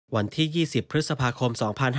วันที่๒๐พฤษภาคม๒๕๕๙